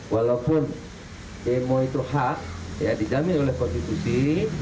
walaupun demo itu hak ya dijamin oleh konstitusi